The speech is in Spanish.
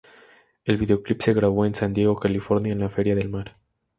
El videoclip se grabó en San Diego, California, en la Feria Del Mar.